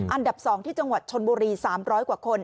อันดับ๒ที่จังหวัดชนบุรี๓๐๐กว่าคน